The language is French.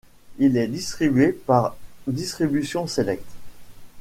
Il est distribué par Distribution Select.